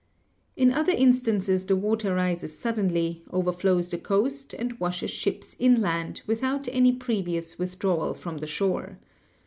"In other instances the water rises suddenly, overflows the coast, and washes ships inland, without any previous withdrawal from the shore.